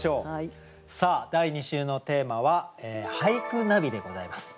さあ第２週のテーマは「俳句ナビ」でございます。